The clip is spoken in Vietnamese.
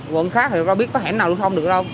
quận khác thì không biết có hẻm nào lưu thông được đâu